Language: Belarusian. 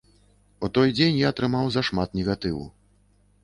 У той дзень я атрымаў зашмат негатыву.